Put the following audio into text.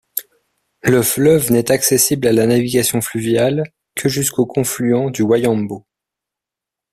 Le fleuve n'est accessible à la navigation fluviale que jusqu'au confluent du Wayambo.